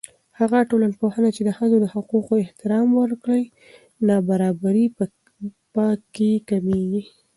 هغه ټولنه چې د ښځو د حقوقو احترام وکړي، نابرابري په کې کمېږي.